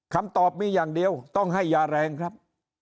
คำตอบมีอย่างเดียวต้องให้ยาแรงครับ